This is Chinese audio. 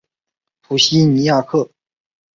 普西尼亚克。